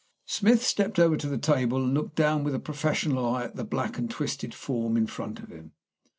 Smith stepped over to the table and looked down with a professional eye at the black and twisted form in front of him.